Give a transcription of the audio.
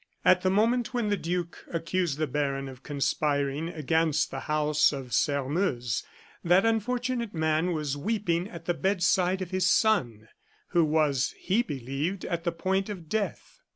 At the moment when the duke accused the baron of conspiring against the house of Sairmeuse, that unfortunate man was weeping at the bedside of his son, who was, he believed, at the point of death.